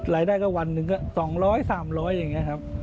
รายได้ก็วันหนึ่งก็๒๐๐๓๐๐อย่างนี้ครับ